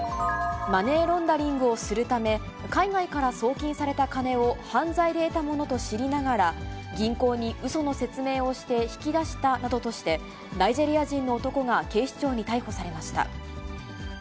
マネーロンダリングをするため、海外から送金された金を犯罪で得たものと知りながら、銀行にうその説明をして引き出したなどとして、ナイジェリア人の男が警視庁に逮捕されました。